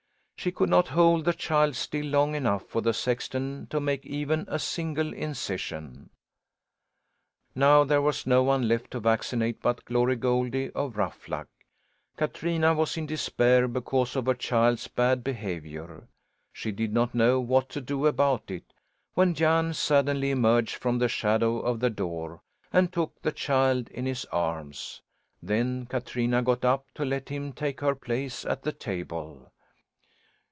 She could not hold the child still long enough for the sexton to make even a single incision. Now there was no one left to vaccinate but Glory Goldie of Ruffluck. Katrina was in despair because of her child's bad behaviour. She did not know what to do about it, when Jan suddenly emerged from the shadow of the door and took the child in his arms. Then Katrina got up to let him take her place at the table.